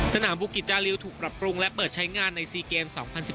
บุกิจจาริวถูกปรับปรุงและเปิดใช้งานใน๔เกม๒๐๑๘